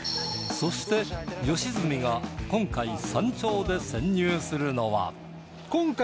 そして良純が今回山頂で潜入するのは